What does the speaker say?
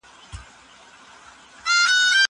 زه کولای سم انځورونه رسم کړم!